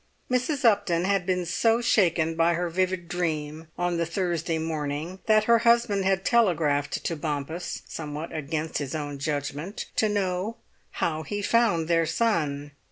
Mrs. Upton had been so shaken by her vivid dream on the Thursday morning, that her husband had telegraphed to Bompas, somewhat against his own judgment, to know how he found their son.